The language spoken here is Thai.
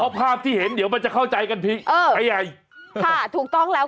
ภาพที่เห็นเดี๋ยวมันจะเข้าใจกันผิดเออไปใหญ่ค่ะถูกต้องแล้ว